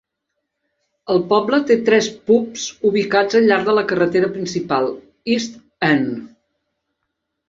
El poble té tres pubs ubicats al llarg de la carretera principal, East End.